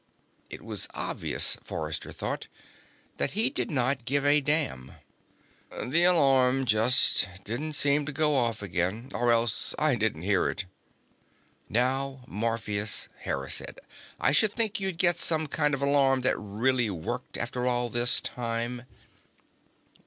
It was obvious, Forrester thought, that he did not give a damn. "The alarm just didn't seem to go off again. Or else I didn't hear it." "Now, Morpheus," Hera said. "I should think you'd get some kind of alarm that really worked, after all this time."